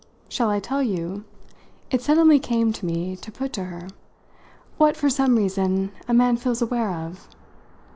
Shall I tell you," it suddenly came to me to put to her, "what, for some reason, a man feels aware of?"